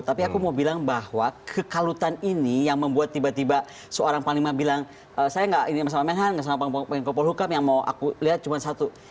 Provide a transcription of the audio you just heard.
tapi aku mau bilang bahwa kekalutan ini yang membuat tiba tiba seorang panglima bilang saya nggak ini sama menhan sama polhukam yang mau aku lihat cuma satu